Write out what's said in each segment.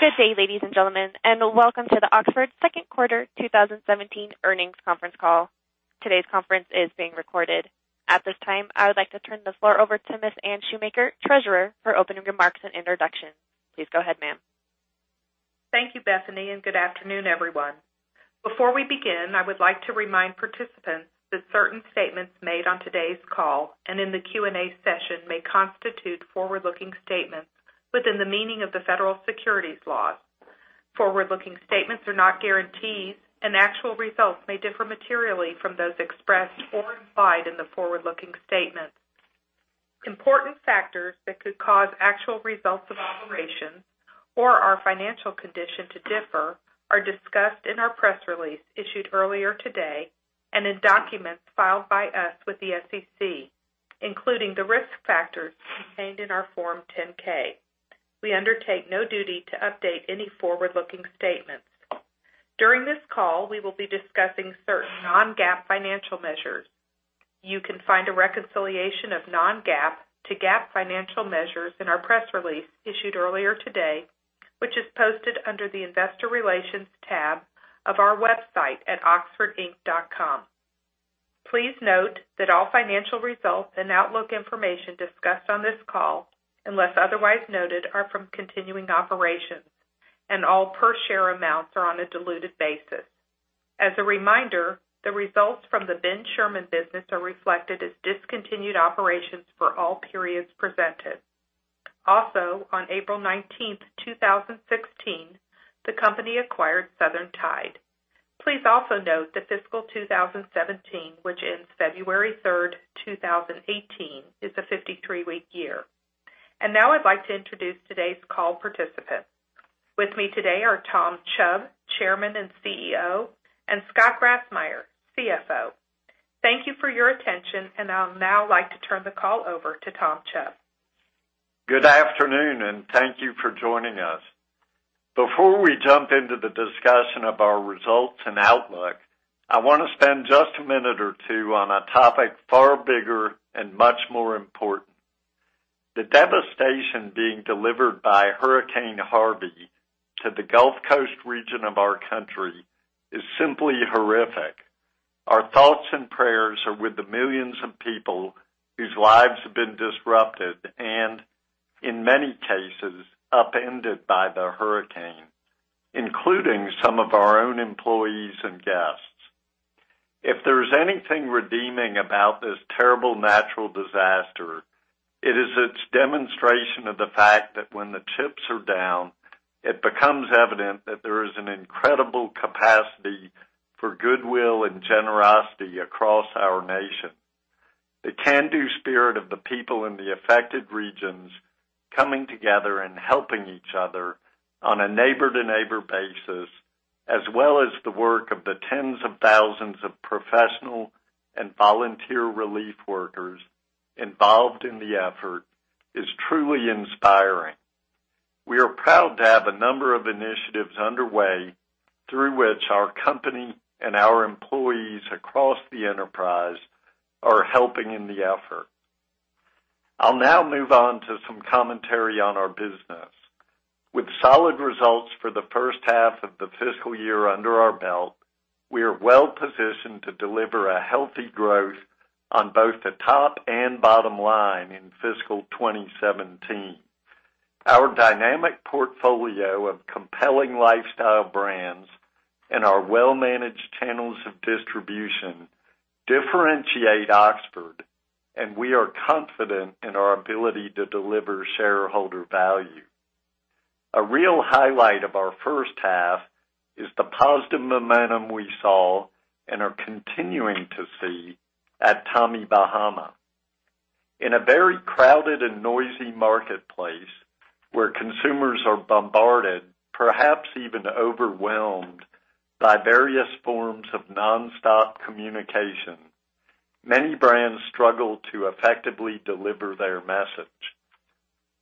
Good day, ladies and gentlemen, and welcome to the Oxford second quarter 2017 earnings conference call. Today's conference is being recorded. At this time, I would like to turn the floor over to Ms. Anne Shoemaker, Treasurer, for opening remarks and introduction. Please go ahead, ma'am. Thank you, Bethany, good afternoon, everyone. Before we begin, I would like to remind participants that certain statements made on today's call and in the Q&A session may constitute forward-looking statements within the meaning of the federal securities laws. Forward-looking statements are not guarantees, and actual results may differ materially from those expressed or implied in the forward-looking statements. Important factors that could cause actual results of operations or our financial condition to differ are discussed in our press release issued earlier today and in documents filed by us with the SEC, including the risk factors contained in our Form 10-K. We undertake no duty to update any forward-looking statements. During this call, we will be discussing certain non-GAAP financial measures. You can find a reconciliation of non-GAAP to GAAP financial measures in our press release issued earlier today, which is posted under the Investor Relations tab of our website at oxfordinc.com. Please note that all financial results and outlook information discussed on this call, unless otherwise noted, are from continuing operations, and all per share amounts are on a diluted basis. As a reminder, the results from the Ben Sherman business are reflected as discontinued operations for all periods presented. Also, on April 19th, 2016, the company acquired Southern Tide. Please also note that fiscal 2017, which ends February 3rd, 2018, is a 53-week year. Now I'd like to introduce today's call participants. With me today are Tom Chubb, Chairman and CEO, and Scott Grassmyer, CFO. Thank you for your attention, I'll now like to turn the call over to Tom Chubb. Good afternoon, thank you for joining us. Before we jump into the discussion of our results and outlook, I want to spend just a minute or two on a topic far bigger and much more important. The devastation being delivered by Hurricane Harvey to the Gulf Coast region of our country is simply horrific. Our thoughts and prayers are with the millions of people whose lives have been disrupted and, in many cases, upended by the hurricane, including some of our own employees and guests. If there's anything redeeming about this terrible natural disaster, it is its demonstration of the fact that when the chips are down, it becomes evident that there is an incredible capacity for goodwill and generosity across our nation. The can-do spirit of the people in the affected regions coming together and helping each other on a neighbor-to-neighbor basis, as well as the work of the tens of thousands of professional and volunteer relief workers involved in the effort, is truly inspiring. We are proud to have a number of initiatives underway through which our company and our employees across the enterprise are helping in the effort. I'll now move on to some commentary on our business. With solid results for the first half of the fiscal year under our belt, we are well positioned to deliver a healthy growth on both the top and bottom line in fiscal 2017. Our dynamic portfolio of compelling lifestyle brands and our well-managed channels of distribution differentiate Oxford, and we are confident in our ability to deliver shareholder value. A real highlight of our first half is the positive momentum we saw and are continuing to see at Tommy Bahama. In a very crowded and noisy marketplace where consumers are bombarded, perhaps even overwhelmed by various forms of nonstop communication, many brands struggle to effectively deliver their message.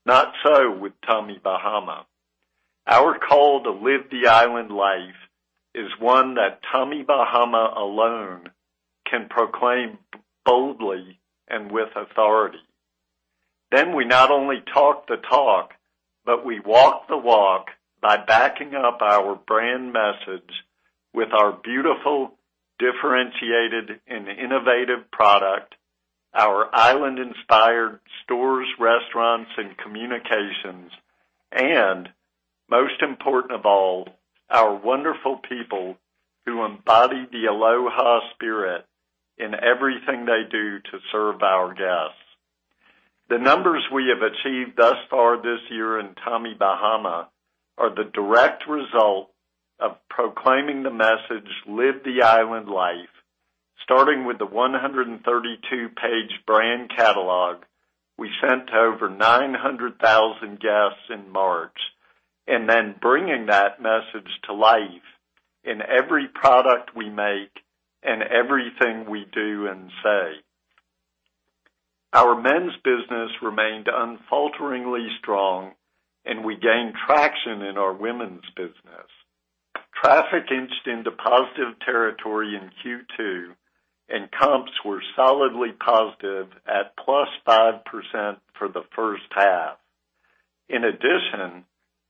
Not so with Tommy Bahama. Our call to live the island life is one that Tommy Bahama alone can proclaim boldly and with authority. We not only talk the talk, but we walk the walk by backing up our brand message with our beautiful, differentiated, and innovative product, our island-inspired stores, restaurants, and communications, and most important of all, our wonderful people who embody the Aloha spirit in everything they do to serve our guests. The numbers we have achieved thus far this year in Tommy Bahama are the direct result of proclaiming the message, "Live the island life," starting with the 132-page brand catalog we sent to over 900,000 guests in March, bringing that message to life in every product we make and everything we do and say. Our men's business remained unfalteringly strong, we gained traction in our women's business. Traffic inched into positive territory in Q2, comps were solidly positive at +5% for the first half. In addition,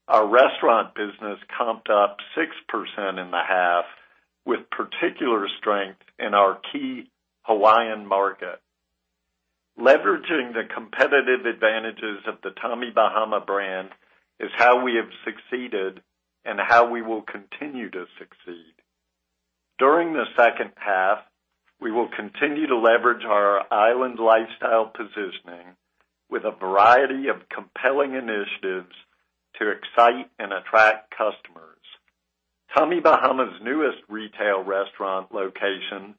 our restaurant business comped up 6% in the half, with particular strength in our key Hawaiian market. Leveraging the competitive advantages of the Tommy Bahama brand is how we have succeeded and how we will continue to succeed. During the second half, we will continue to leverage our island lifestyle positioning with a variety of compelling initiatives to excite and attract customers. Tommy Bahama's newest retail restaurant location,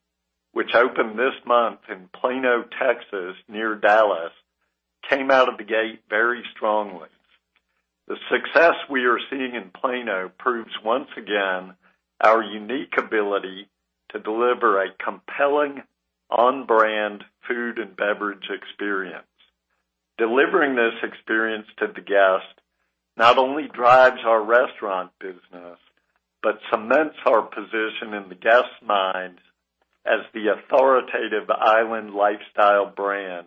which opened this month in Plano, Texas, near Dallas, came out of the gate very strongly. The success we are seeing in Plano proves once again our unique ability to deliver a compelling on-brand food and beverage experience. Delivering this experience to the guest not only drives our restaurant business, but cements our position in the guests' minds as the authoritative island lifestyle brand,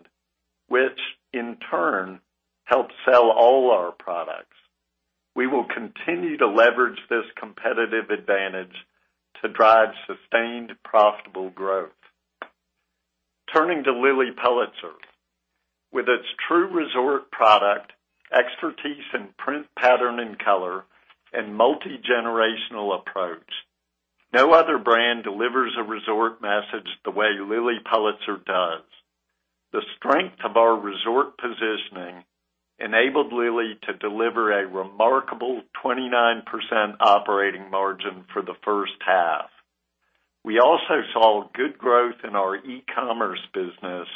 which in turn helps sell all our products. We will continue to leverage this competitive advantage to drive sustained, profitable growth. Turning to Lilly Pulitzer. With its true resort product, expertise in print pattern and color, and multigenerational approach, no other brand delivers a resort message the way Lilly Pulitzer does. The strength of our resort positioning enabled Lilly to deliver a remarkable 29% operating margin for the first half. We also saw good growth in our e-commerce business,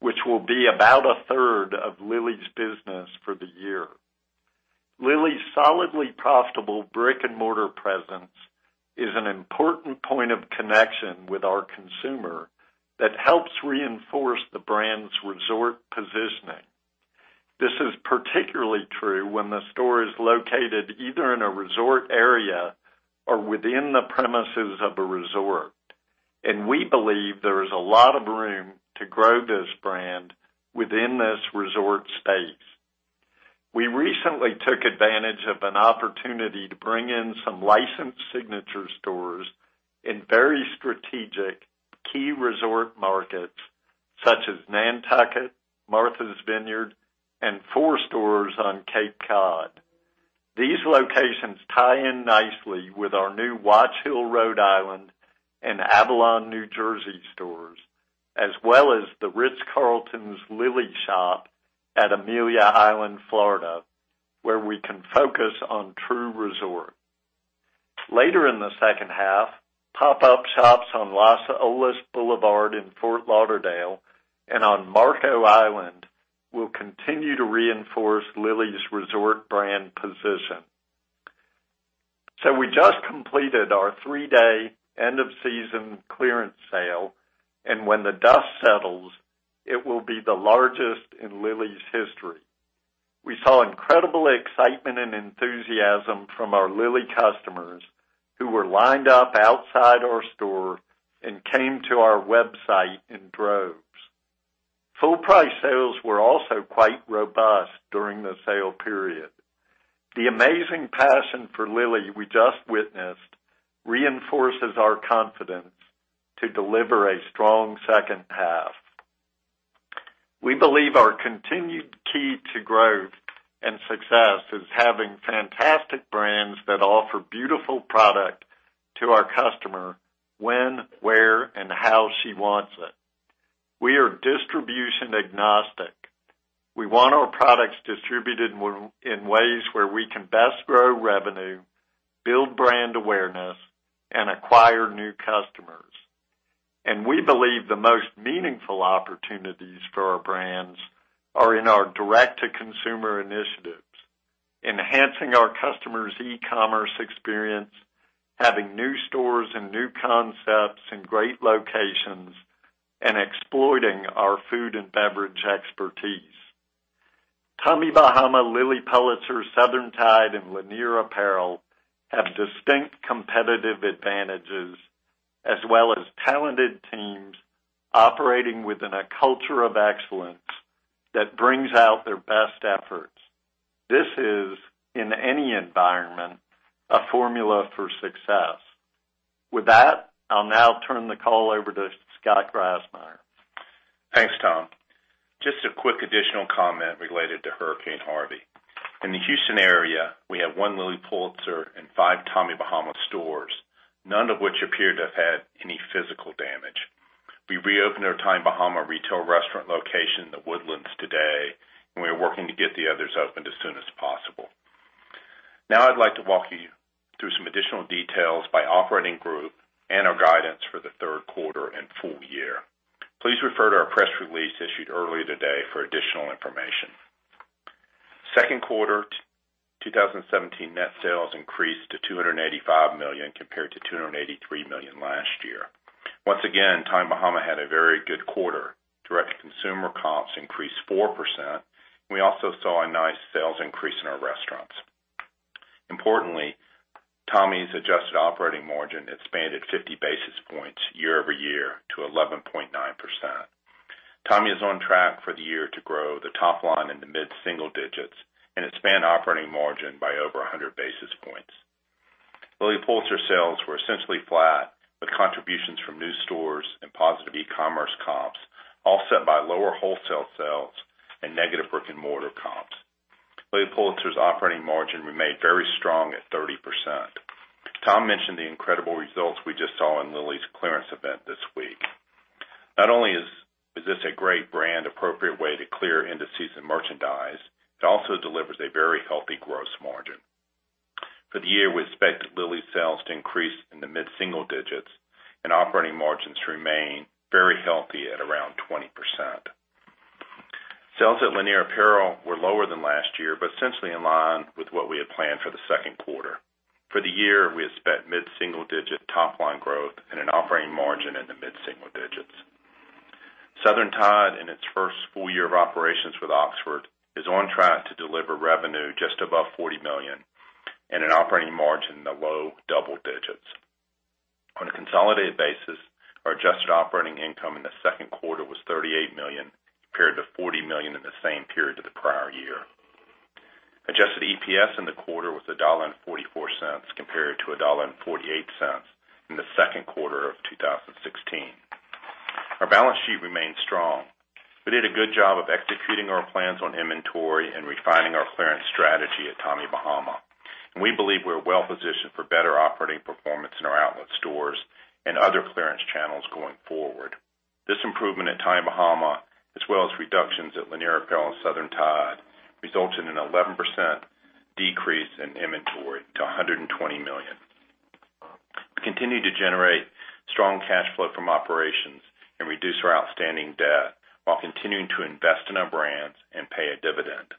which will be about a third of Lilly's business for the year. Lilly's solidly profitable brick and mortar presence is an important point of connection with our consumer that helps reinforce the brand's resort positioning. This is particularly true when the store is located either in a resort area or within the premises of a resort. We believe there is a lot of room to grow this brand within this resort space. We recently took advantage of an opportunity to bring in some licensed signature stores in very strategic key resort markets such as Nantucket, Martha's Vineyard, and four stores on Cape Cod. These locations tie in nicely with our new Watch Hill, Rhode Island, and Avalon, New Jersey stores, as well as The Ritz-Carlton's Lilly shop at Amelia Island, Florida, where we can focus on true resort. Later in the second half, pop-up shops on Las Olas Boulevard in Fort Lauderdale and on Marco Island will continue to reinforce Lilly's resort brand position. We just completed our three-day end of season clearance sale, and when the dust settles, it will be the largest in Lilly's history. We saw incredible excitement and enthusiasm from our Lilly customers who were lined up outside our store and came to our website in droves. Full price sales were also quite robust during the sale period. The amazing passion for Lilly we just witnessed reinforces our confidence to deliver a strong second half. We believe our continued key to growth and success is having fantastic brands that offer beautiful product to our customer when, where, and how she wants it. We are distribution agnostic. We want our products distributed in ways where we can best grow revenue, build brand awareness, and acquire new customers. We believe the most meaningful opportunities for our brands are in our direct-to-consumer initiatives, enhancing our customers' e-commerce experience, having new stores and new concepts in great locations, and exploiting our food and beverage expertise. Tommy Bahama, Lilly Pulitzer, Southern Tide, and Lanier Apparel have distinct competitive advantages as well as talented teams operating within a culture of excellence that brings out their best efforts. This is, in any environment, a formula for success. With that, I'll now turn the call over to Scott Grassmyer. Thanks, Tom. Just a quick additional comment related to Hurricane Harvey. In the Houston area, we have one Lilly Pulitzer and five Tommy Bahama stores, none of which appear to have had any physical damage. We reopened our Tommy Bahama retail restaurant location in The Woodlands today, and we are working to get the others opened as soon as possible. I'd like to walk you through some additional details by operating group and our guidance for the third quarter and full year. Please refer to our press release issued earlier today for additional information. Second quarter 2017 net sales increased to $285 million compared to $283 million last year. Once again, Tommy Bahama had a very good quarter. Direct-to-consumer comps increased 4%, and we also saw a nice sales increase in our restaurants. Importantly, Tommy's adjusted operating margin expanded 50 basis points year-over-year to 11.9%. Tommy Bahama is on track for the year to grow the top line in the mid-single digits and expand operating margin by over 100 basis points. Lilly Pulitzer sales were essentially flat, with contributions from new stores and positive e-commerce comps offset by lower wholesale sales and negative brick-and-mortar comps. Lilly Pulitzer's operating margin remained very strong at 30%. Tom mentioned the incredible results we just saw in Lilly's clearance event this week. Not only is this a great brand appropriate way to clear end-of-season merchandise, it also delivers a very healthy gross margin. For the year, we expect Lilly sales to increase in the mid-single digits and operating margins to remain very healthy at around 20%. Sales at Lanier Apparel were lower than last year, but essentially in line with what we had planned for the second quarter. For the year, we expect mid-single digit top-line growth and an operating margin in the mid-single digits. Southern Tide, in its first full year of operations with Oxford Industries, is on track to deliver revenue just above $40 million and an operating margin in the low double digits. On a consolidated basis, our adjusted operating income in the second quarter was $38 million, compared to $40 million in the same period of the prior year. Adjusted EPS in the quarter was $1.44 compared to $1.48 in the second quarter of 2016. Our balance sheet remains strong. We did a good job of executing our plans on inventory and refining our clearance strategy at Tommy Bahama. We believe we're well-positioned for better operating performance in our outlet stores and other clearance channels going forward. This improvement at Tommy Bahama, as well as reductions at Lanier Apparel and Southern Tide, results in an 11% decrease in inventory to $120 million. We continue to generate strong cash flow from operations and reduce our outstanding debt while continuing to invest in our brands and pay a dividend.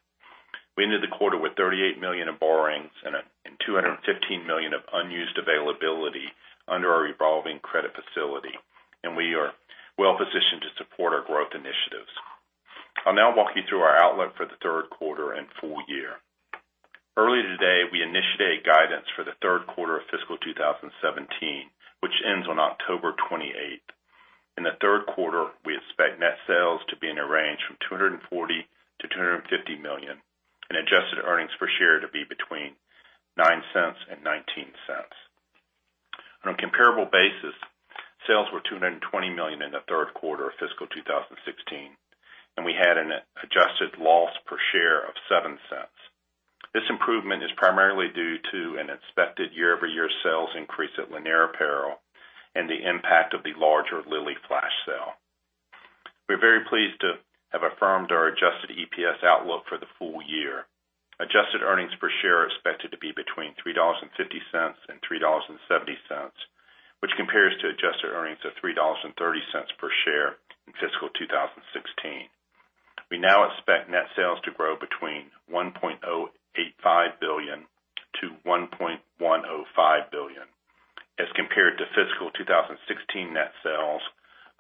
We ended the quarter with $38 million in borrowings and $215 million of unused availability under our revolving credit facility. We are well positioned to support our growth initiatives. I'll now walk you through our outlook for the third quarter and full year. Earlier today, we initiated guidance for the third quarter of fiscal 2017, which ends on October 28th. In the third quarter, we expect net sales to be in a range from $240 million-$250 million and adjusted earnings per share to be between $0.09 and $0.19. On a comparable basis, sales were $220 million in the third quarter of fiscal 2016. We had an adjusted loss per share of $0.07. This improvement is primarily due to an expected year-over-year sales increase at Lanier Apparel and the impact of the larger Lilly flash sale. We're very pleased to have affirmed our adjusted EPS outlook for the full year. Adjusted earnings per share are expected to be between $3.50 and $3.70, which compares to adjusted earnings of $3.30 per share in fiscal 2016. We now expect net sales to grow between $1.085 billion-$1.105 billion as compared to fiscal 2016 net sales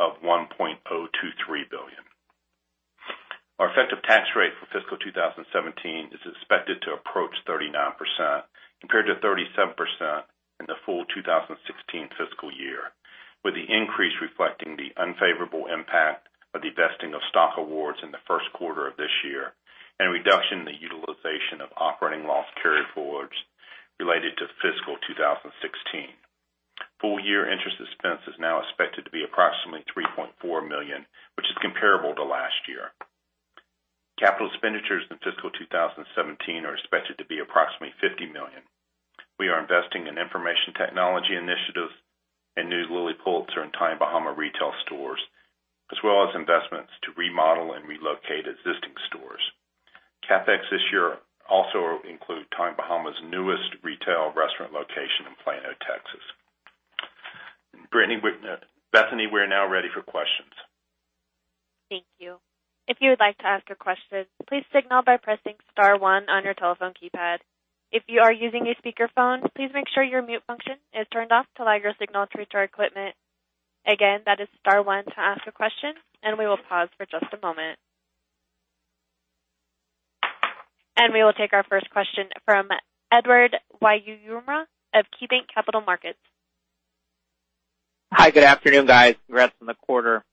of $1.023 billion. Our effective tax rate for fiscal 2017 is expected to approach 39%, compared to 37% in the full 2016 fiscal year, with the increase reflecting the unfavorable impact of the vesting of stock awards in the first quarter of this year and a reduction in the utilization of operating loss carryforwards related to fiscal 2016. Full-year interest expense is now expected to be approximately $3.4 million, which is comparable to last year. Capital expenditures in fiscal 2017 are expected to be approximately $50 million. We are investing in information technology initiatives and new Lilly Pulitzer and Tommy Bahama retail stores, as well as investments to remodel and relocate existing stores. CapEx this year also includes Tommy Bahama's newest retail restaurant location in Plano, Texas. Bethany, we're now ready for questions. Thank you. If you would like to ask a question, please signal by pressing *1 on your telephone keypad. If you are using a speakerphone, please make sure your mute function is turned off to allow your signal to reach our equipment. Again, that is *1 to ask a question, and we will pause for just a moment. We will take our first question from Edward Yruma of KeyBanc Capital Markets. Hi, good afternoon, guys. Congrats on the quarter.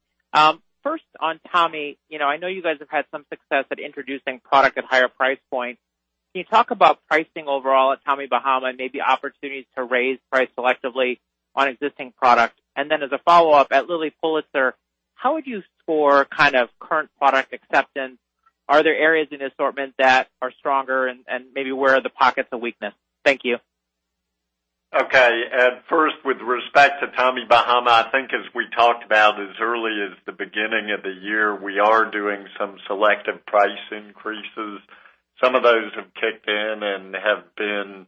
First, on Tommy, I know you guys have had some success at introducing product at higher price points. Can you talk about pricing overall at Tommy Bahama and maybe opportunities to raise price selectively on existing product? As a follow-up, at Lilly Pulitzer, how would you score current product acceptance? Are there areas in assortment that are stronger and maybe where are the pockets of weakness? Thank you. Okay. First, with respect to Tommy Bahama, I think as we talked about as early as the beginning of the year, we are doing some selective price increases. Some of those have kicked in and have been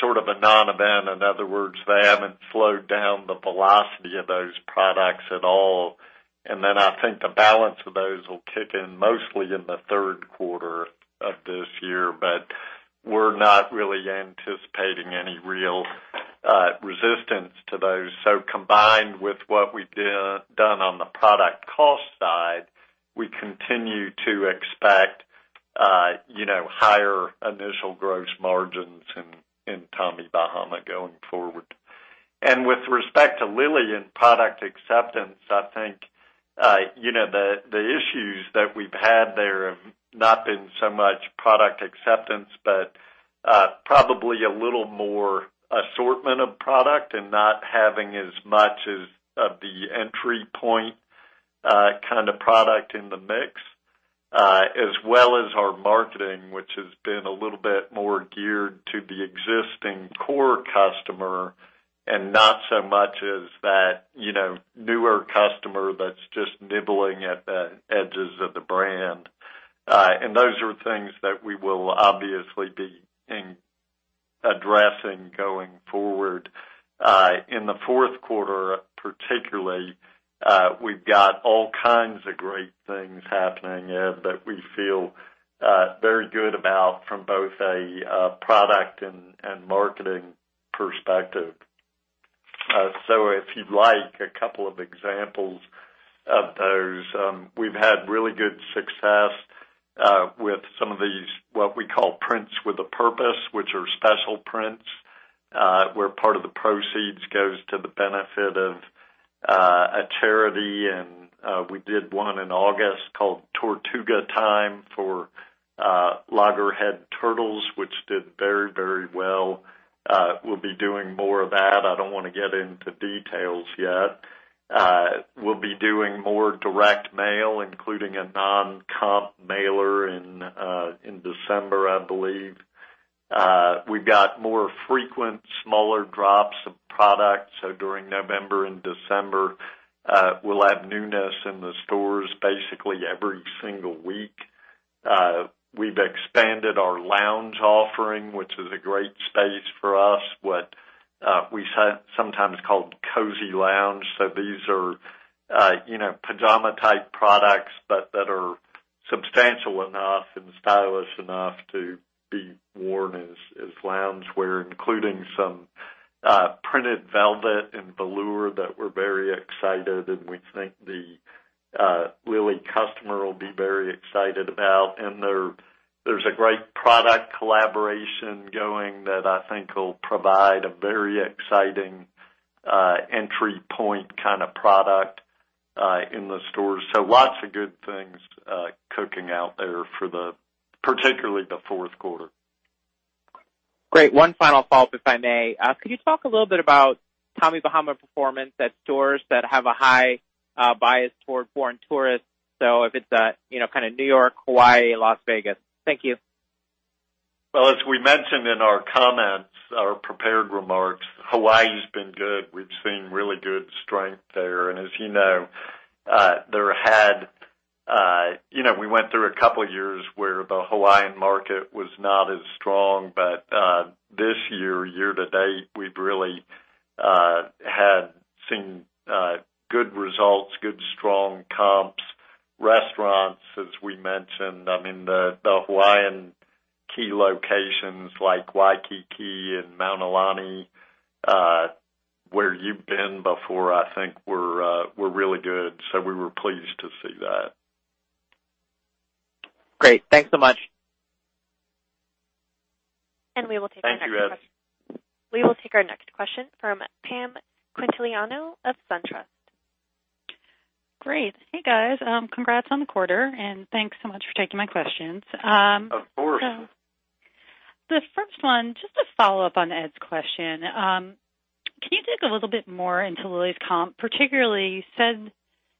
sort of a non-event. In other words, they haven't slowed down the velocity of those products at all. I think the balance of those will kick in mostly in the third quarter of this year. We're not really anticipating any real resistance to those. Combined with what we've done on the product cost side, we continue to expect higher initial gross margins in Tommy Bahama going forward. With respect to Lilly and product acceptance, I think, the issues that we've had there have not been so much product acceptance, but probably a little more assortment of product and not having as much of the entry point kind of product in the mix, as well as our marketing, which has been a little bit more geared to the existing core customer and not so much as that newer customer that's just nibbling at the edges of the brand. Those are things that we will obviously be addressing going forward. In the fourth quarter, particularly, we've got all kinds of great things happening, Ed, that we feel very good about from both a product and marketing perspective. If you'd like, a couple of examples of those. We've had really good success with some of these, what we call Prints with a Purpose, which are special prints, where part of the proceeds goes to the benefit of a charity. We did one in August called Tortuga Time for loggerhead turtles, which did very well. We'll be doing more of that. I don't want to get into details yet. We'll be doing more direct mail, including a non-comp mailer in December, I believe. We've got more frequent, smaller drops of product. During November and December, we'll have newness in the stores basically every single week. We've expanded our lounge offering, which is a great space for us, what we sometimes call Cozy Lounge. These are pajama type products, but that are substantial enough and stylish enough to be worn as loungewear, including some printed velvet and velour that we're very excited and we think the Lilly customer will be very excited about. There's a great product collaboration going that I think will provide a very exciting entry point kind of product in the stores. Lots of good things cooking out there for particularly the fourth quarter. Great. One final follow-up, if I may. Could you talk a little bit about Tommy Bahama performance at stores that have a high bias toward foreign tourists? If it's kind of New York, Hawaii, Las Vegas. Thank you. Well, as we mentioned in our comments, our prepared remarks, Hawaii's been good. We've seen really good strength there. As you know, we went through a couple years where the Hawaiian market was not as strong. This year to date, we've really had seen good results, good strong comps, restaurants, as we mentioned. The Hawaiian key locations like Waikiki and Mauna Lani, where you've been before, I think were really good. We were pleased to see that. Great. Thanks so much. We will take our next question. Thank you, Ed. We will take our next question from Pam Quintiliano of SunTrust. Great. Hey, guys. Congrats on the quarter, and thanks so much for taking my questions. Of course. The first one, just to follow up on Ed's question. Can you dig a little bit more into Lilly's comp, particularly you said in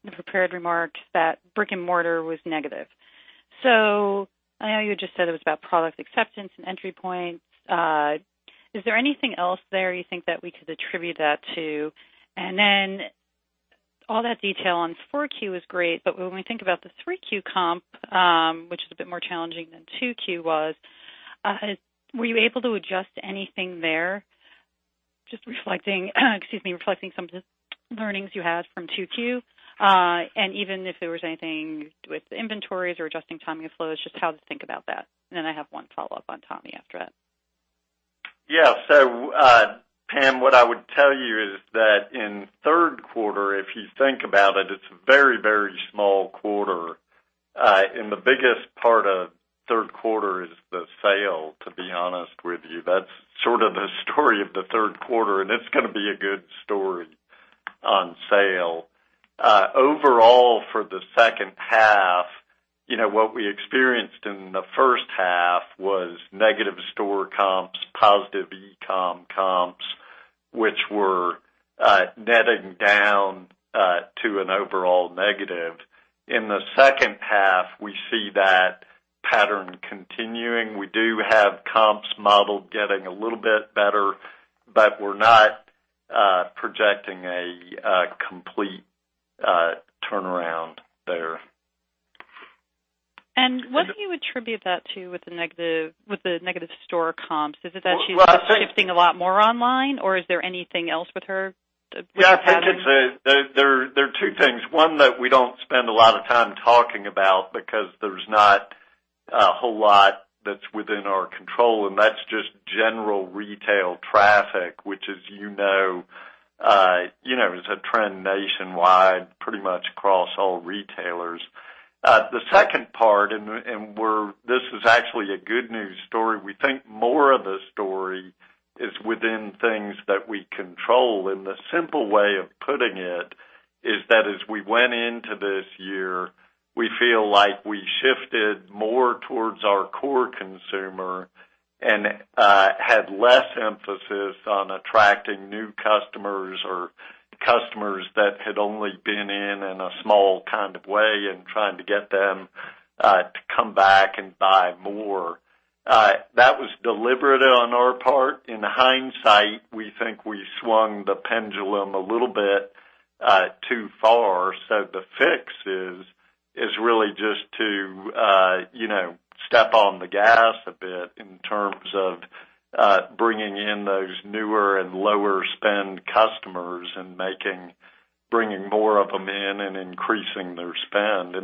the prepared remarks that brick and mortar was negative. I know you had just said it was about product acceptance and entry points. Is there anything else there you think that we could attribute that to? All that detail on 4Q is great, but when we think about the 3Q comp, which is a bit more challenging than 2Q was, were you able to adjust anything there? Just reflecting some learnings you had from 2Q, and even if there was anything with inventories or adjusting timing of flows, just how to think about that. I have one follow-up on Tommy after it. Yeah. Pam, what I would tell you is that in third quarter, if you think about it's a very small quarter. The biggest part of third quarter is the sale, to be honest with you. That's sort of the story of the third quarter, and it's going to be a good story on sale. Overall, for the second half, what we experienced in the first half was negative store comps, positive e-com comps, which were netting down to an overall negative. In the second half, we see that pattern continuing. We do have comps modeled getting a little bit better, but we're not projecting a complete turnaround there. What do you attribute that to with the negative store comps? Is it that she's just shifting a lot more online, or is there anything else with her that's happening? Yeah, I think there are two things. One that we don't spend a lot of time talking about because there's not a whole lot that's within our control, and that's just general retail traffic, which as you know, it's a trend nationwide, pretty much across all retailers. The second part, this is actually a good news story, we think more of the story is within things that we control. The simple way of putting it is that as we went into this year, we feel like we shifted more towards our core consumer and had less emphasis on attracting new customers or customers that had only been in a small kind of way and trying to get them to come back and buy more. That was deliberate on our part. In hindsight, we think we swung the pendulum a little bit too far. The fix is really just to step on the gas a bit in terms of bringing in those newer and lower spend customers and bringing more of them in and increasing their spend.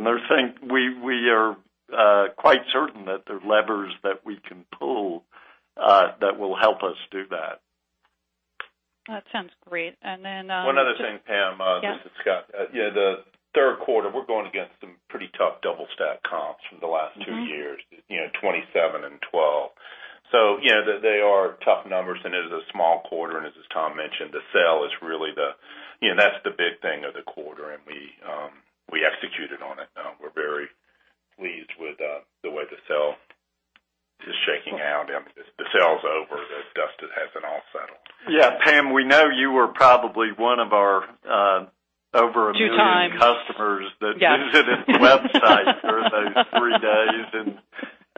We are quite certain that there are levers that we can pull that will help us do that. That sounds great. One other thing, Pam. Yeah. This is Scott. The third quarter, we're going against some pretty tough double stack comps from the last two years. 27 and 12. They are tough numbers, and it is a small quarter. As Tom mentioned, the sale is really the big thing of the quarter. We executed on it. We're very pleased with the way the sale is shaking out. I mean, the sale's over, the dust has been all settled. Yeah. Pam, we know you were probably one of our over a million- Two times. Yeah. -customers that visited the website during those three days, and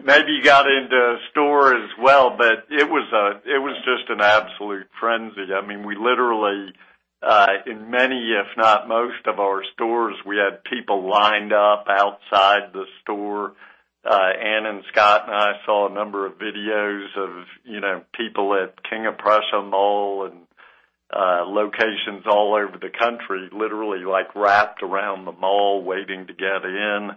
maybe you got into a store as well, but it was just an absolute frenzy. We literally, in many, if not most of our stores, we had people lined up outside the store. Anne and Scott and I saw a number of videos of people at King of Prussia Mall and locations all over the country, literally, wrapped around the mall waiting to get in.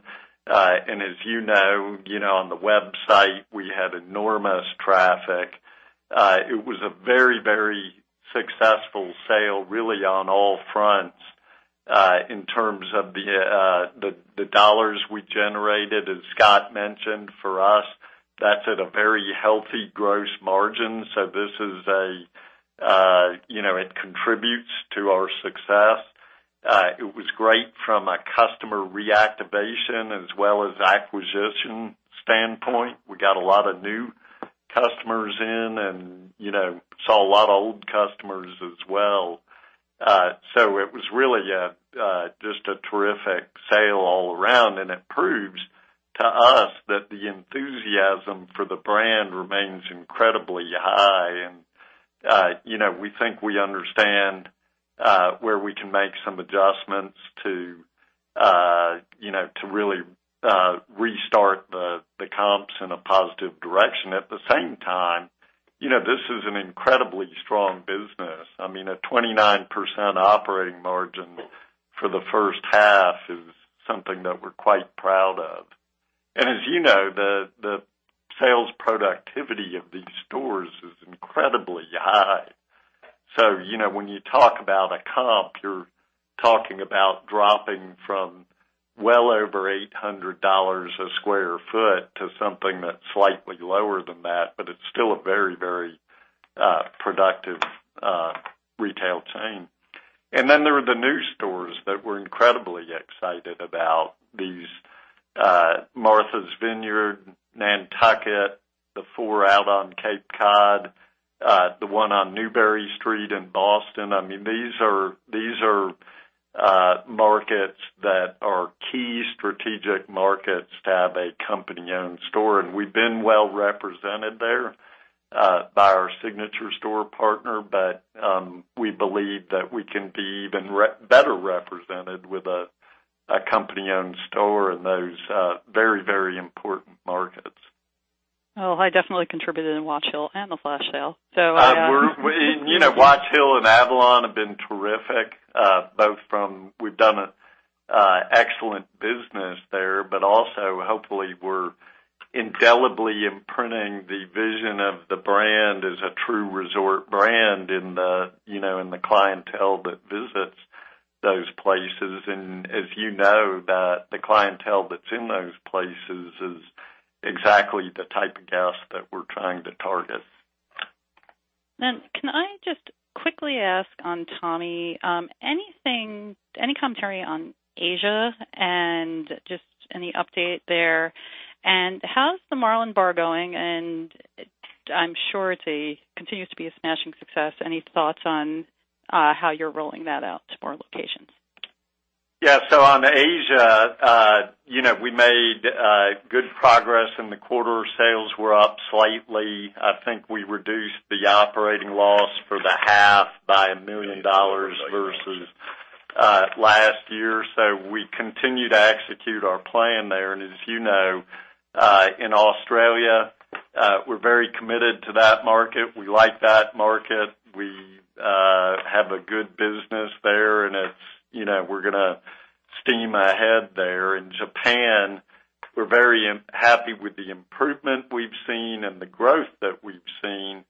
As you know, on the website, we had enormous traffic. It was a very successful sale, really, on all fronts, in terms of the dollars we generated, as Scott mentioned, for us, that's at a very healthy gross margin. It contributes to our success. It was great from a customer reactivation as well as acquisition standpoint. We got a lot of new customers in and saw a lot of old customers as well. It was really just a terrific sale all around, and it proves to us that the enthusiasm for the brand remains incredibly high. We think we understand where we can make some adjustments to really restart the comps in a positive direction. At the same time, this is an incredibly strong business. A 29% operating margin for the first half is something that we're quite proud of. As you know, the sales productivity of these stores is incredibly high. When you talk about a comp, you're talking about dropping from well over $800 a square foot to something that's slightly lower than that, but it's still a very productive retail chain. There are the new stores that we're incredibly excited about. These Martha's Vineyard, Nantucket, the four out on Cape Cod, the one on Newbury Street in Boston. These are markets that are key strategic markets to have a company-owned store. We've been well represented there by our signature store partner. We believe that we can be even better represented with a company-owned store in those very important markets. I definitely contributed in Watch Hill and the flash sale. Watch Hill and Avalon have been terrific, both from we've done excellent business there, but also, hopefully, we're indelibly imprinting the vision of the brand as a true resort brand in the clientele that visits those places. As you know, the clientele that's in those places is exactly the type of guest that we're trying to target. Can I just quickly ask on Tommy, any commentary on Asia and just any update there, and how's the Marlin Bar going? I'm sure it continues to be a smashing success. Any thoughts on how you're rolling that out to more locations? Yeah. On Asia, we made good progress in the quarter. Sales were up slightly. I think we reduced the operating loss for the half by $1 million versus last year. We continue to execute our plan there. As you know, in Australia, we're very committed to that market. We like that market. We have a good business there, and we're going to steam ahead there. In Japan, we're very happy with the improvement we've seen and the growth that we've seen.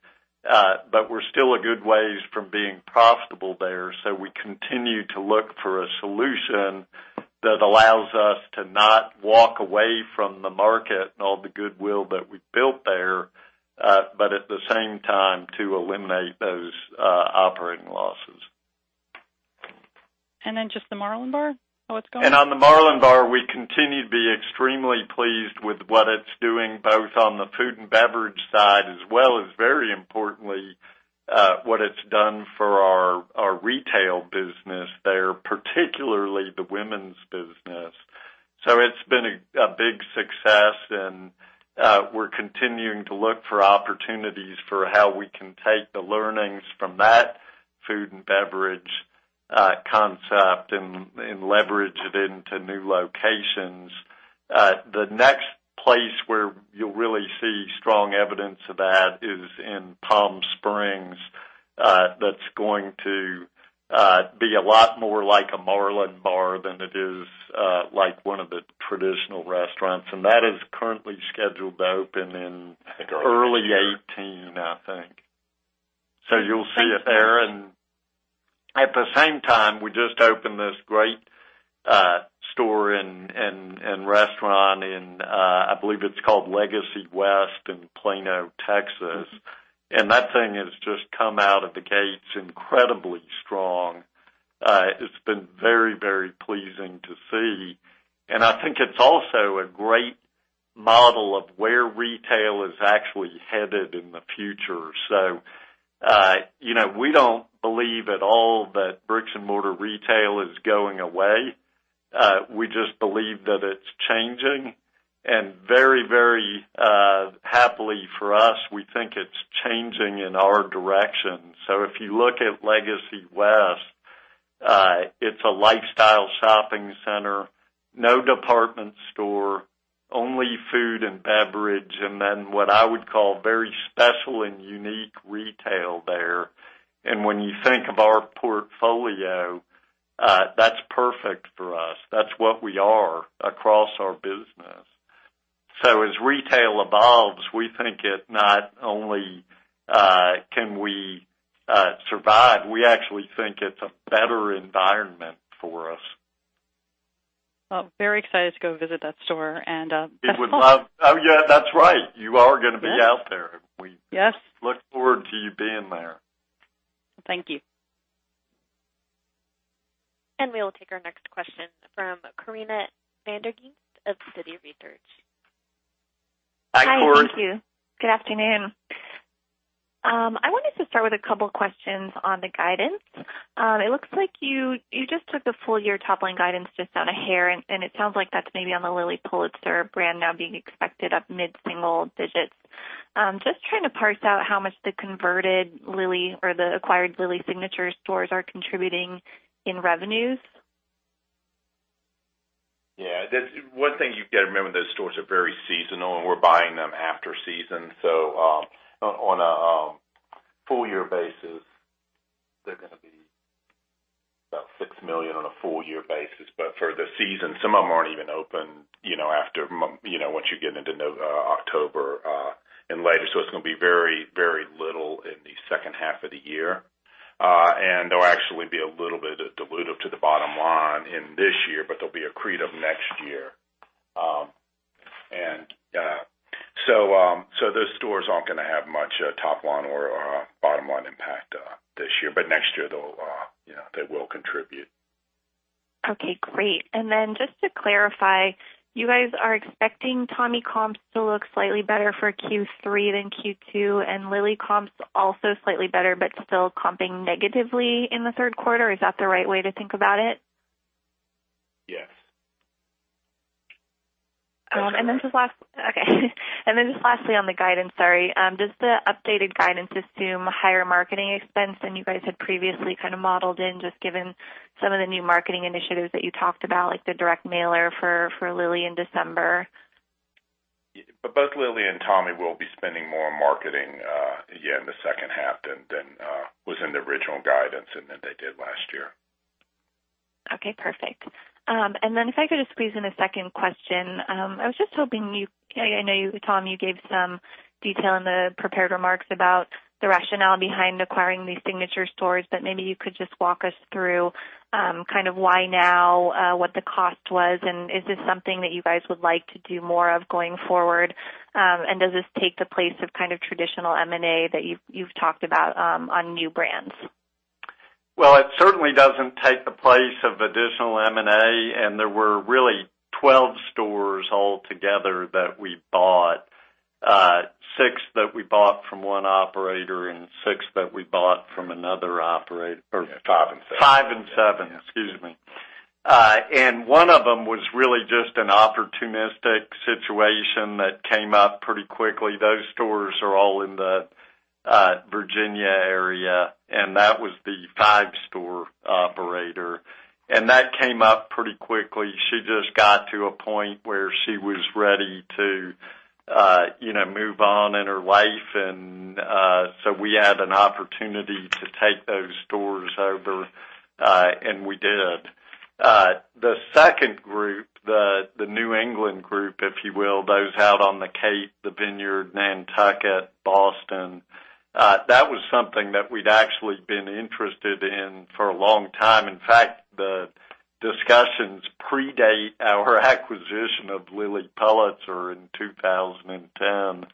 We're still a good way from being profitable there. We continue to look for a solution that allows us to not walk away from the market and all the goodwill that we've built there, but at the same time, to eliminate those operating losses. Just the Marlin Bar, how it's going. On the Marlin Bar, we continue to be extremely pleased with what it's doing, both on the food and beverage side, as well as, very importantly, what it's done for our retail business there, particularly the women's business. It's been a big success, and we're continuing to look for opportunities for how we can take the learnings from that food and beverage concept and leverage it into new locations. The next place where you'll really see strong evidence of that is in Palm Springs. That's going to be a lot more like a Marlin Bar than it is like one of the traditional restaurants. That is currently scheduled to open in early 2018, I think. You'll see it there. At the same time, we just opened this great store and restaurant in, I believe it's called Legacy West in Plano, Texas. That thing has just come out of the gates incredibly strong. It's been very pleasing to see. I think it's also a great model of where retail is actually headed in the future. We don't believe at all that bricks-and-mortar retail is going away. We just believe that it's changing, and very happily for us, we think it's changing in our direction. If you look at Legacy West, it's a lifestyle shopping center, no department store, only food and beverage, what I would call very special and unique retail there. When you think of our portfolio, that's perfect for us. That's what we are across our business. As retail evolves, we think it not only can we survive, we actually think it's a better environment for us. Well, very excited to go visit that store. Oh, yeah, that's right. You are going to be out there. Yes. We look forward to you being there. Thank you. We'll take our next question from Corinna van der Ghinst of Citi Research. Hi, Corinna. Hi, thank you. Good afternoon. I wanted to start with a couple questions on the guidance. It looks like you just took the full-year top-line guidance just on a hair. It sounds like that's maybe on the Lilly Pulitzer brand now being expected up mid-single digits. Just trying to parse out how much the converted Lilly or the acquired Lilly signature stores are contributing in revenues. One thing you've got to remember, those stores are very seasonal, and we're buying them after season. On a full year basis, they're going to be about $6 million on a full year basis. For the season, some of them aren't even open once you get into October and later. It's going to be very little in the second half of the year. They'll actually be a little bit dilutive to the bottom line in this year, but they'll be accretive next year. Those stores aren't going to have much top-line or bottom-line impact this year. Next year they will contribute. Okay, great. Just to clarify, you guys are expecting Tommy comps to look slightly better for Q3 than Q2, and Lilly comps also slightly better but still comping negatively in the third quarter. Is that the right way to think about it? Yes. Okay. Just lastly on the guidance, sorry, does the updated guidance assume higher marketing expense than you guys had previously kind of modeled in, just given some of the new marketing initiatives that you talked about, like the direct mailer for Lilly in December? Both Lilly and Tommy will be spending more on marketing in the second half than was in the original guidance and than they did last year. Okay, perfect. If I could just squeeze in a second question. I know, Tom, you gave some detail in the prepared remarks about the rationale behind acquiring these signature stores, maybe you could just walk us through kind of why now, what the cost was, and is this something that you guys would like to do more of going forward? Does this take the place of kind of traditional M&A that you've talked about on new brands? Well, it certainly doesn't take the place of additional M&A. There were really 12 stores all together that we bought. Six that we bought from one operator and six that we bought from another operator. Five and seven. Five and seven, excuse me. One of them was really just an opportunistic situation that came up pretty quickly. Those stores are all in the Virginia area, and that was the five-store operator. That came up pretty quickly. She just got to a point where she was ready to move on in her life. We had an opportunity to take those stores over, and we did. The second group, the New England group, if you will, those out on the Cape, the Vineyard, Nantucket, Boston, that was something that we'd actually been interested in for a long time. In fact, the discussions predate our acquisition of Lilly Pulitzer in 2010.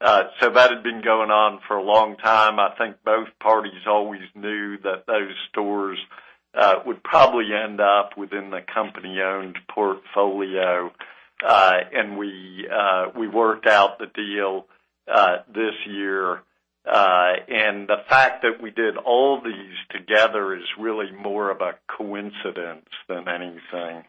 That had been going on for a long time. I think both parties always knew that those stores would probably end up within the company-owned portfolio. We worked out the deal this year. The fact that we did all these together is really more of a coincidence than anything.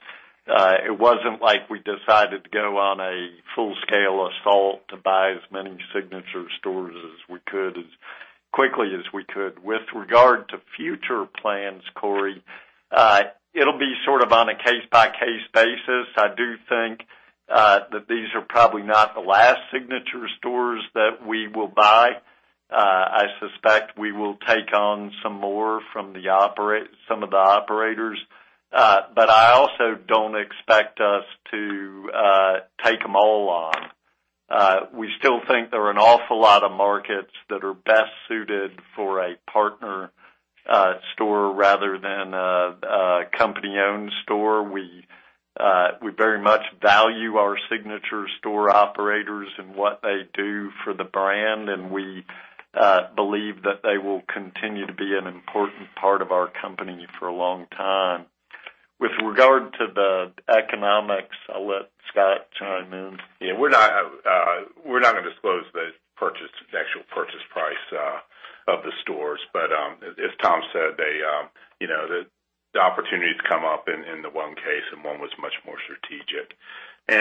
It wasn't like we decided to go on a full-scale assault to buy as many signature stores as we could, as quickly as we could. With regard to future plans, Corey, it'll be sort of on a case-by-case basis. I do think that these are probably not the last signature stores that we will buy. I suspect we will take on some more from some of the operators. I also don't expect us to take them all on. We still think there are an awful lot of markets that are best suited for a partner store rather than a company-owned store. We very much value our signature store operators and what they do for the brand, and we believe that they will continue to be an important part of our company for a long time. With regard to the economics, I'll let Scott chime in. Yeah. We're not going to disclose the actual purchase price of the stores. As Tom said, the opportunities come up in the one case, and one was much more strategic. As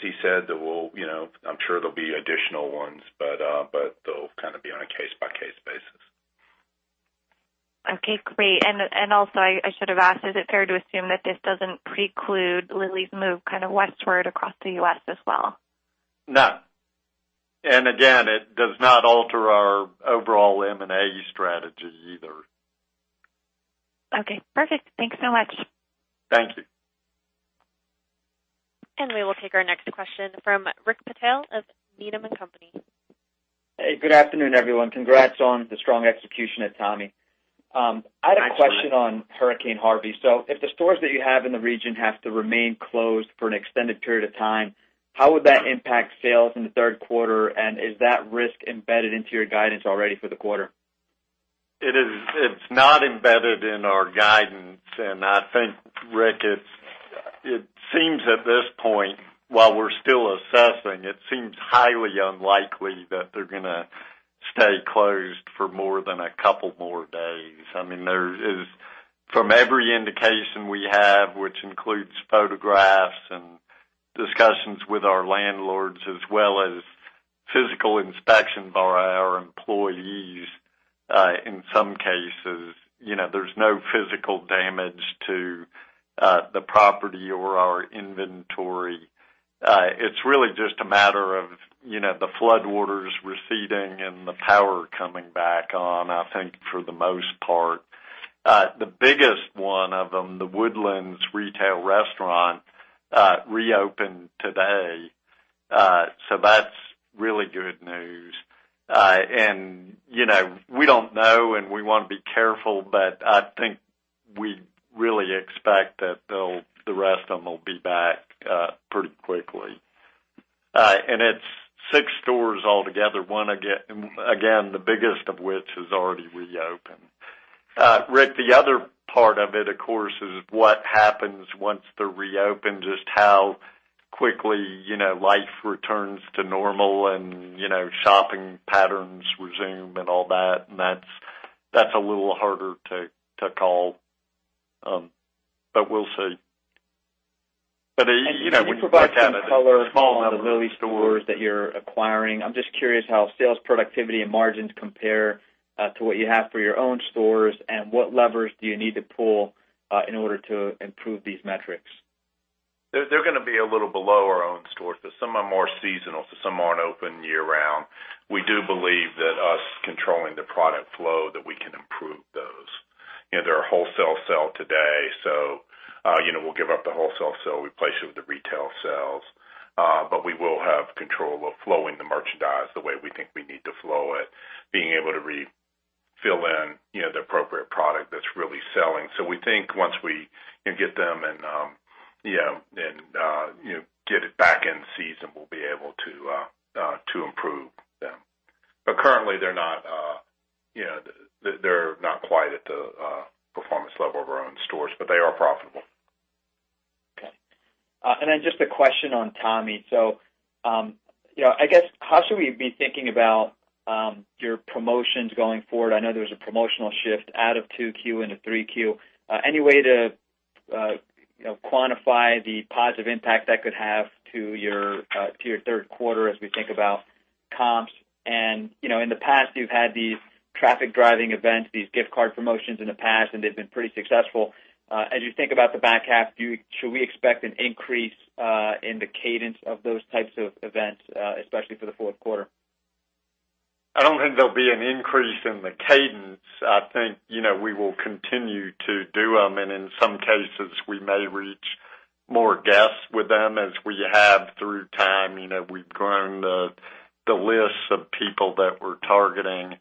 he said, I'm sure there'll be additional ones, but they'll kind of be on a case-by-case basis. Okay, great. Also, I should have asked, is it fair to assume that this doesn't preclude Lilly's move westward across the U.S. as well? No. Again, it does not alter our overall M&A strategy either. Okay, perfect. Thanks so much. Thank you. We will take our next question from Rick Patel of Needham & Company. Hey, good afternoon, everyone. Congrats on the strong execution at Tommy. Excellent. I had a question on Hurricane Harvey. If the stores that you have in the region have to remain closed for an extended period of time, how would that impact sales in the third quarter? Is that risk embedded into your guidance already for the quarter? It's not embedded in our guidance. I think, Rick, it seems at this point, while we're still assessing, it seems highly unlikely that they're going to stay closed for more than a couple more days. From every indication we have, which includes photographs and discussions with our landlords as well as physical inspections by our employees, in some cases, there's no physical damage to the property or our inventory. It's really just a matter of the floodwaters receding and the power coming back on, I think for the most part. The biggest one of them, The Woodlands retail restaurant, reopened today. That's really good news. We don't know, and we want to be careful, but I think we really expect that the rest of them will be back pretty quickly. It's six stores altogether. Again, the biggest of which has already reopened. Rick, the other part of it, of course, is what happens once they're reopened, just how quickly life returns to normal and shopping patterns resume and all that, and that's a little harder to call. We'll see. When you look at it, a small number of stores- Could you provide some color on the Lilly stores that you're acquiring? I'm just curious how sales productivity and margins compare to what you have for your own stores, and what levers do you need to pull in order to improve these metrics? They're going to be a little below our own stores, but some are more seasonal, so some aren't open year-round. We do believe that us controlling the product flow, that we can improve those. They're a wholesale sale today, so we'll give up the wholesale sale, replace it with the retail sales. We will have control of flowing the merchandise the way we think we need to flow it, being able to refill in the appropriate product that's really selling. We think once we can get them and get it back in season, we'll be able to improve them. Currently, they're not quite at the performance level of our own stores, but they are profitable. Okay. Just a question on Tommy. How should we be thinking about your promotions going forward? I know there was a promotional shift out of 2Q into 3Q. Any way to quantify the positive impact that could have to your third quarter as we think about comps. In the past, you've had these traffic-driving events, these gift card promotions in the past, and they've been pretty successful. As you think about the back half, should we expect an increase in the cadence of those types of events, especially for the fourth quarter? I don't think there'll be an increase in the cadence. I think we will continue to do them, and in some cases, we may reach more guests with them as we have through time. We've grown the lists of people that we're targeting.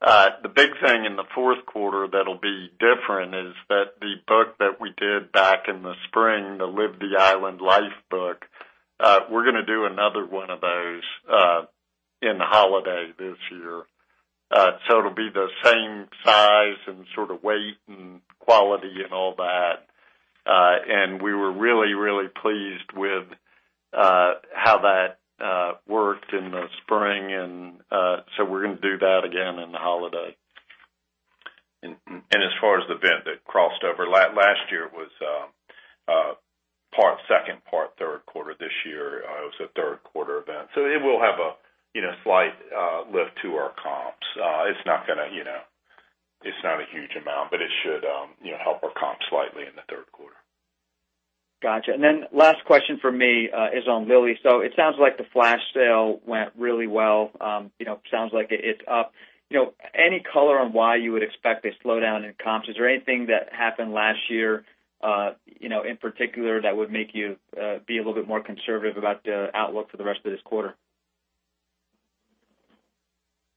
The big thing in the fourth quarter that'll be different is that the book that we did back in the spring, the "Live the Island Life" book, we're going to do another one of those in the holiday this year. It'll be the same size and sort of weight and quality and all that. We were really, really pleased with how that worked in the spring, we're going to do that again in the holiday. As far as the event that crossed over, last year was part second, part third quarter. This year, it was a third quarter event. It will have a slight lift to our comps. It's not a huge amount, but it should help our comps slightly in the third quarter. Got you. Last question from me is on Lilly. It sounds like the flash sale went really well. Sounds like it's up. Any color on why you would expect a slowdown in comps? Is there anything that happened last year, in particular, that would make you be a little bit more conservative about the outlook for the rest of this quarter?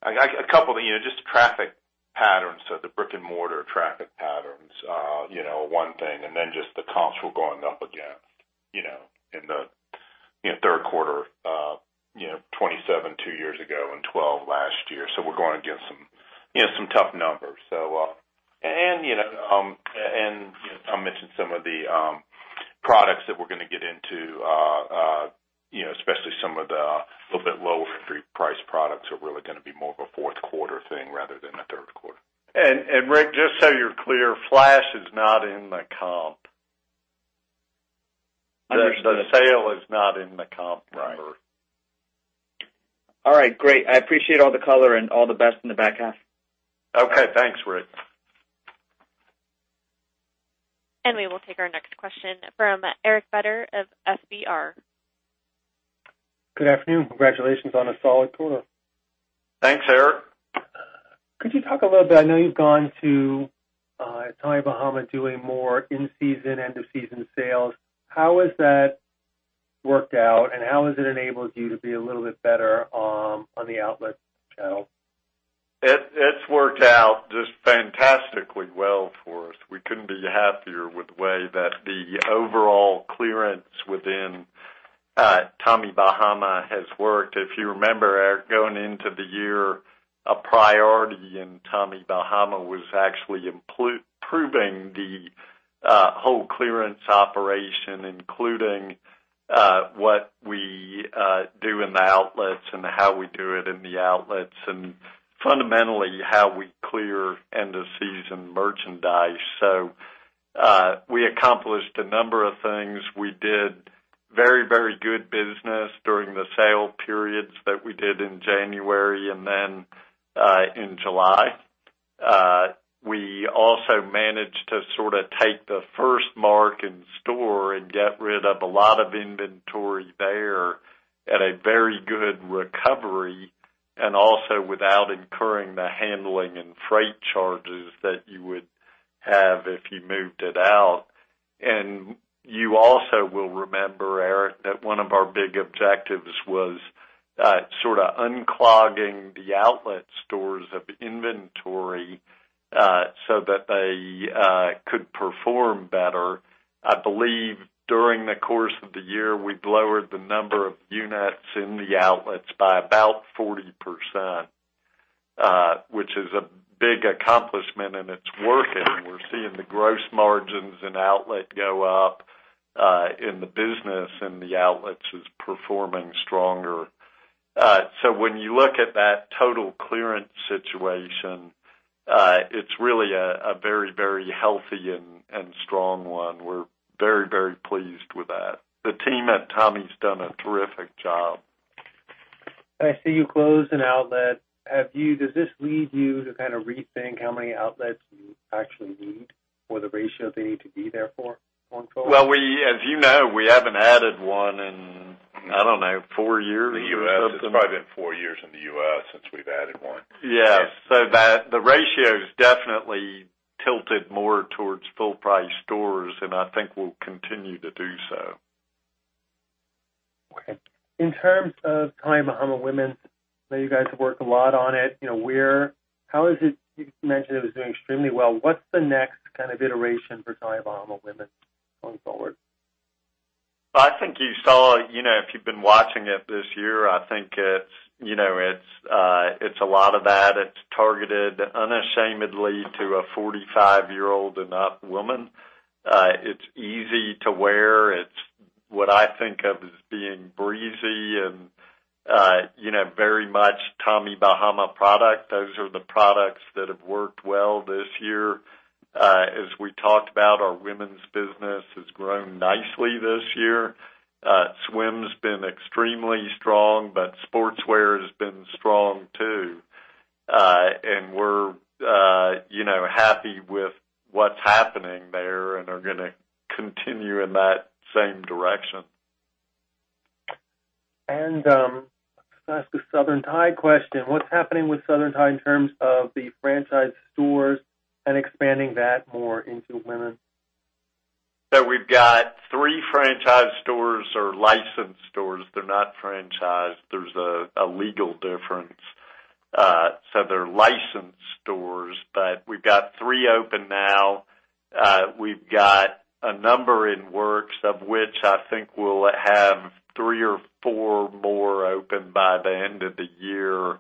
A couple of things. Just traffic patterns, the brick and mortar traffic patterns are one thing, just the comps we're going up against in the third quarter, 27 two years ago and 12 last year. We're going against some tough numbers. I mentioned some of the products that we're going to get into, especially some of the little bit lower entry price products are really going to be more of a fourth quarter thing rather than a third quarter. Rick, just so you're clear, flash is not in the comp. Understood. The sale is not in the comp number. Right. All right, great. I appreciate all the color and all the best in the back half. Okay, thanks, Rick. We will take our next question from Susan Anderson of B. Riley FBR, Inc. Good afternoon. Congratulations on a solid quarter. Thanks, Rick. Could you talk a little bit, I know you've gone to Tommy Bahama doing more in-season, end-of-season sales. How has that worked out, and how has it enabled you to be a little bit better on the outlet channel? It's worked out just fantastically well for us. We couldn't be happier with the way that the overall clearance within Tommy Bahama has worked. If you remember, Rick, going into the year, a priority in Tommy Bahama was actually improving the whole clearance operation, including what we do in the outlets and how we do it in the outlets, and fundamentally, how we clear end of season merchandise. We accomplished a number of things. We did very, very good business during the sale periods that we did in January and then in July. We also managed to sort of take the first mark in store and get rid of a lot of inventory there at a very good recovery, and also without incurring the handling and freight charges that you would have if you moved it out. You also will remember, Eric, that one of our big objectives was sort of unclogging the outlet stores of inventory, so that they could perform better. I believe during the course of the year, we've lowered the number of units in the outlets by about 40%, which is a big accomplishment, and it's working. We're seeing the gross margins in outlet go up, and the business in the outlets is performing stronger. When you look at that total clearance situation, it's really a very, very healthy and strong one. We're very, very pleased with that. The team at Tommy's done a terrific job. I see you closed an outlet. Does this lead you to kind of rethink how many outlets you actually need or the ratio they need to be there for going forward? Well, as you know, we haven't added one in, I don't know, four years or something. It's probably been four years in the U.S. since we've added one. Yeah. The ratio's definitely tilted more towards full price stores, and I think we'll continue to do so. Okay. In terms of Tommy Bahama Women's, know you guys have worked a lot on it. You mentioned it was doing extremely well. What's the next kind of iteration for Tommy Bahama Women going forward? I think you saw, if you've been watching it this year, I think it's a lot of that. It's targeted unashamedly to a 45-year-old and up woman. It's easy to wear. It's what I think of as being breezy and very much Tommy Bahama product. Those are the products that have worked well this year. As we talked about, our women's business has grown nicely this year. Swim's been extremely strong, but sportswear's been strong, too. We're happy with what's happening there and are going to continue in that same direction. Can I ask a Southern Tide question? What's happening with Southern Tide in terms of the franchise stores and expanding that more into women? We've got three franchise stores or licensed stores. They're not franchised. There's a legal difference. They're licensed stores. We've got three open now. We've got a number in works, of which I think we'll have three or four more open by the end of the year.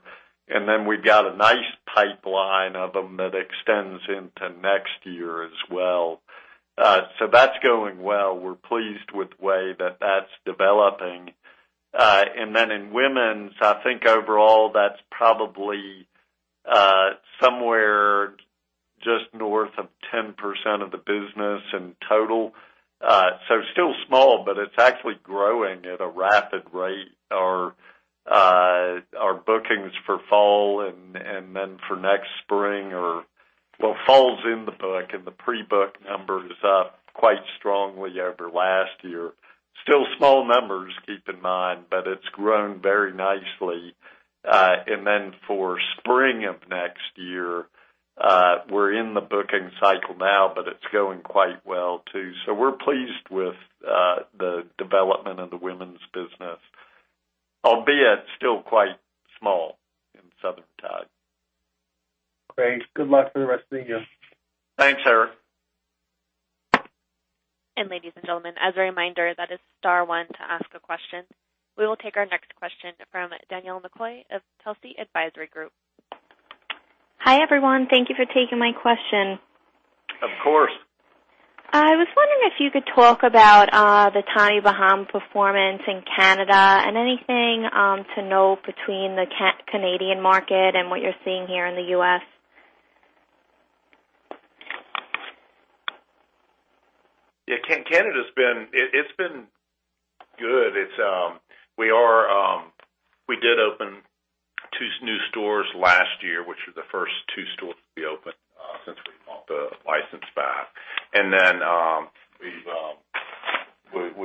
We've got a nice pipeline of them that extends into next year as well. That's going well. We're pleased with the way that that's developing. In women's, I think overall, that's probably somewhere just north of 10% of the business in total. Still small, but it's actually growing at a rapid rate. Our bookings for fall and then for next spring are Well, fall's in the book, and the pre-book number is up quite strongly over last year. Still small numbers, keep in mind, but it's grown very nicely. For spring of next year, we're in the booking cycle now, but it's going quite well, too. We're pleased with the development of the women's business, albeit still quite small in Southern Tide. Great. Good luck for the rest of the year. Thanks, Eric. Ladies and gentlemen, as a reminder, that is star one to ask a question. We will take our next question from Danielle McCoy of Telsey Advisory Group. Hi, everyone. Thank you for taking my question. Of course. I was wondering if you could talk about the Tommy Bahama performance in Canada and anything to note between the Canadian market and what you're seeing here in the U.S. Yeah. Canada's been good. We did open two new stores last year, which were the first two stores to be opened since we bought the license back. Then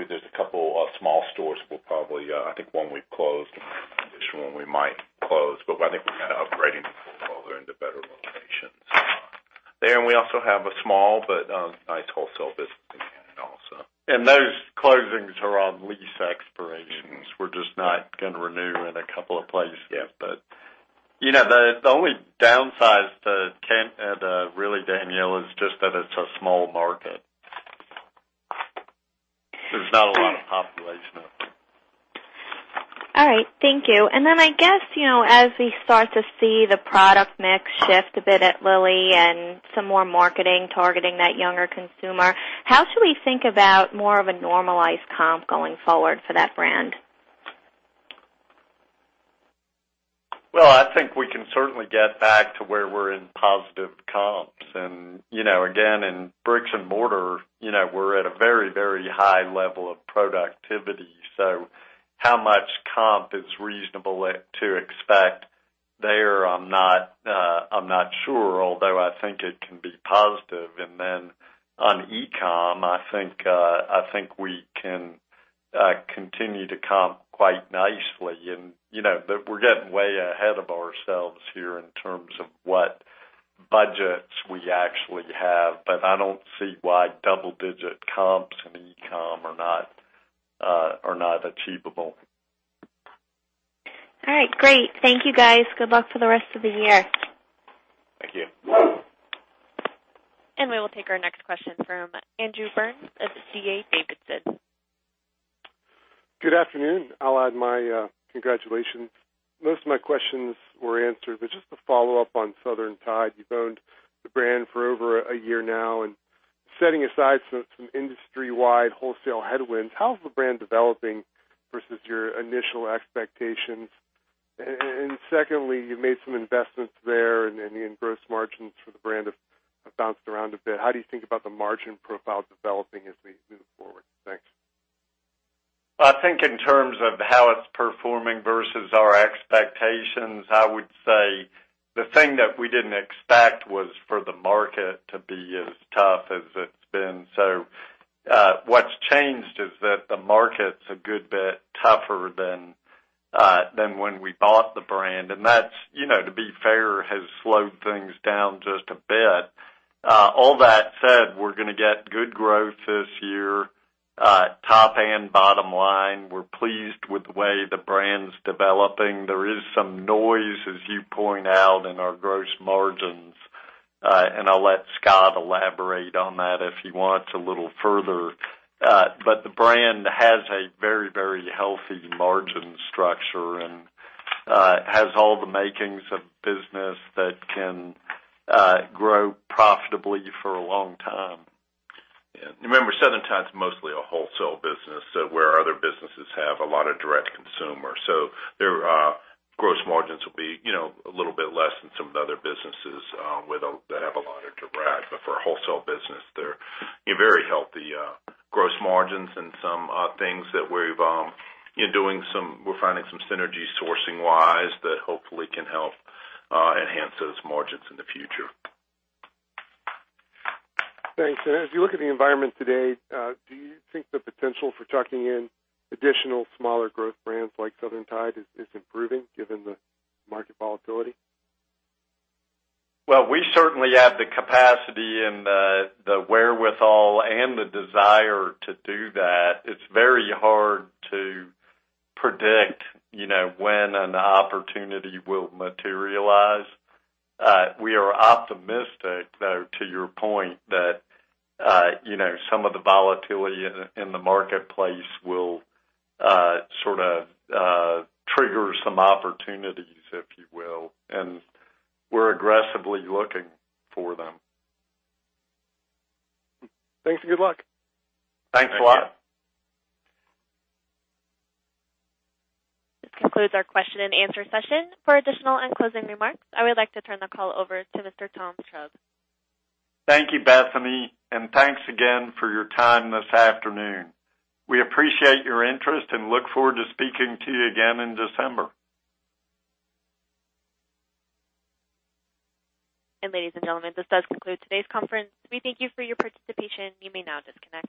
there's a couple of small stores we'll probably I think one we've closed, and there's one we might close, but I think we plan on upgrading them both into better locations. There, and we also have a small but nice wholesale business in Canada also. Those closings are on lease expirations. We're just not going to renew in a couple of places yet. The only downside to Canada really, Danielle, is just that it's a small market. There's not a lot of population up there. Then, I guess, as we start to see the product mix shift a bit at Lilly and some more marketing targeting that younger consumer, how should we think about more of a normalized comp going forward for that brand? Well, I think we can certainly get back to where we're in positive comps. Again, in bricks and mortar, we're at a very high level of productivity. How much comp is reasonable to expect there, I'm not sure, although I think it can be positive. Then on e-com, I think we can continue to comp quite nicely. We're getting way ahead of ourselves here in terms of what budgets we actually have. I don't see why double-digit comps in e-com are not achievable. All right. Great. Thank you, guys. Good luck for the rest of the year. Thank you. We will take our next question from Andrew Burns of D.A. Davidson. Good afternoon. I'll add my congratulations. Most of my questions were answered, but just a follow-up on Southern Tide. You've owned the brand for over a year now, and setting aside some industry-wide wholesale headwinds, how's the brand developing versus your initial expectations? Secondly, you made some investments there, and the gross margins for the brand have bounced around a bit. How do you think about the margin profile developing as we move forward? Thanks. I think in terms of how it's performing versus our expectations, I would say the thing that we didn't expect was for the market to be as tough as it's been. What's changed is that the market's a good bit tougher than when we bought the brand. That, to be fair, has slowed things down just a bit. All that said, we're going to get good growth this year, top and bottom line. We're pleased with the way the brand's developing. There is some noise, as you point out, in our gross margins. I'll let Scott elaborate on that if he wants a little further. The brand has a very healthy margin structure and has all the makings of business that can grow profitably for a long time. Yeah. Remember, Southern Tide's mostly a wholesale business, where our other businesses have a lot of direct consumer. Their gross margins will be a little bit less than some of the other businesses that have a lot of direct. For a wholesale business, they're very healthy gross margins and some things that we're finding some synergy sourcing-wise that hopefully can help enhance those margins in the future. Thanks. As you look at the environment today, do you think the potential for tucking in additional smaller growth brands like Southern Tide is improving given the market volatility? Well, we certainly have the capacity and the wherewithal and the desire to do that. It's very hard to predict when an opportunity will materialize. We are optimistic, though, to your point, that some of the volatility in the marketplace will sort of trigger some opportunities, if you will, and we're aggressively looking for them. Thanks, and good luck. Thanks a lot. Thank you. This concludes our question and answer session. For additional and closing remarks, I would like to turn the call over to Mr. Tom Chubb. Thank you, Bethany, and thanks again for your time this afternoon. We appreciate your interest and look forward to speaking to you again in December. Ladies and gentlemen, this does conclude today's conference. We thank you for your participation. You may now disconnect.